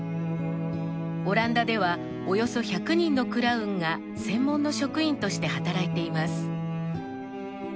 オランダではおよそ１００人のクラウンが専門の職員として働いています。